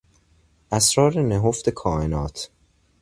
اسرار نهفت کائنات